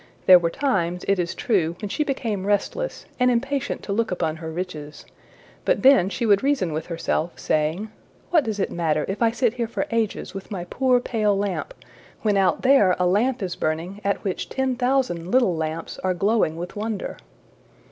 There were times, it is true, when she became restless, and impatient to look upon her riches, but then she would reason with herself, saying, ``What does it matter if I sit here for ages with my poor pale lamp, when out there a lamp is burning at which ten thousand little lamps are glowing with wonder?''